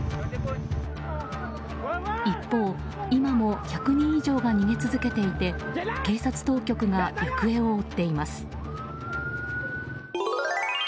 一方、今も１００人以上が逃げ続けていて警察当局が行方を追っています。